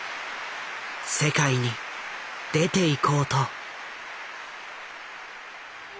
世界に出ていこうと。